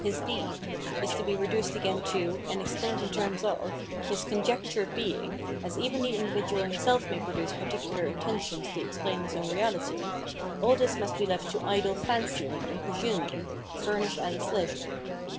his deed, is to be reduced again to, and explained in terms of, his "conjectured" being, as even the in dividual himself may produce particular intentions to explain his own reahty, — all this must be left to idle " fancying " and " presuming " to furnish at its leisure.